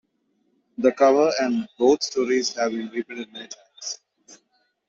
The cover and both stories have been reprinted many times.